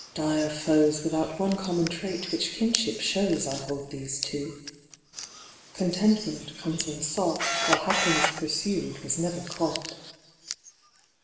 Dire foes Without one common trait which kinship shows I hold these two. Contentment comes when sought, While Happiness pursued was never caught.